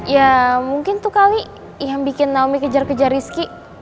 ya mungkin tuh kali yang bikin naomi kejar kejar rizky